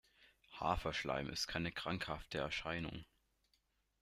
Haferschleim ist keine krankhafte Erscheinung.